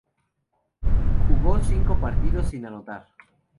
Jugó cinco partidos sin anotar.